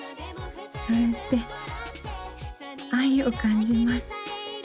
それって愛を感じます。